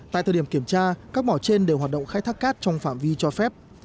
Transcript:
tại thời điểm kiểm tra các mỏ trên đều hoạt động khai thác cát trong phạm vi cho phép